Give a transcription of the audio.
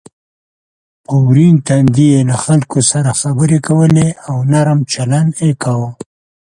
په ورین تندي یې له خلکو سره خبرې کولې او نرم چلند یې کاوه.